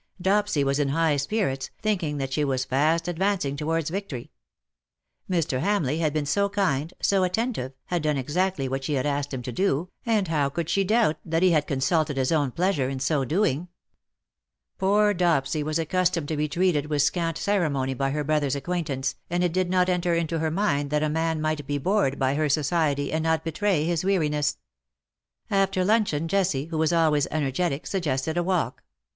Dopsy was in high spirits, thinking that she was fast ad vancing towards victory. Mr. Hamleigh had been so kind, so attentive, had done exactly what she had asked him to do, and how could she doubt that he had consulted his own pleasure in so doing. VOL. II. Q 226 ^' BUT IT SUFFICETH, Poor Dopsy was accustomed to be treated with scant ceremony by ber brotber^s acquaintance, and it did not enter into ber mind tbat a man migbt be bored by ber society, and not betray his weariness. After luncheon Jessie, who was always ener getic, suggested a walk.